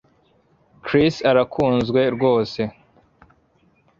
Chris arakunzwe rwose